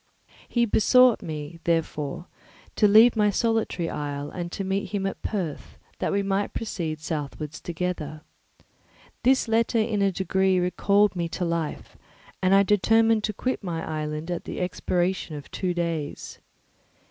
He besought me, therefore, to leave my solitary isle and to meet him at Perth, that we might proceed southwards together. This letter in a degree recalled me to life, and I determined to quit my island at the expiration of two days.